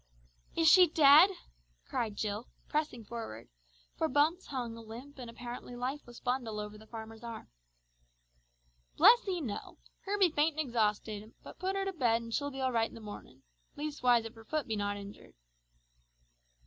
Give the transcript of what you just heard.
"Is she dead?" cried Jill, pressing forward, for Bumps hung a limp and apparently lifeless bundle over the farmer's arm. "Bless 'ee, no! Her be faint an' exhausted, but put her to bed an' she'll be all right in the mornin'. Leastwise if her foot be not injured!"